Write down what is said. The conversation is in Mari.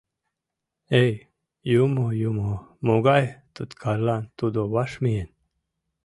Эй, юмо, юмо, могай туткарлан тудо ваш миен...